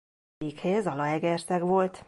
Székhelye Zalaegerszeg volt.